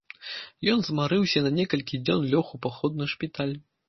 Ён змарыўся і на некалькі дзён лёг у паходны шпіталь.